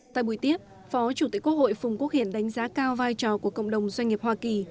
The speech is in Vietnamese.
tại buổi tiếp phó chủ tịch quốc hội phùng quốc hiển đánh giá cao vai trò của cộng đồng doanh nghiệp hoa kỳ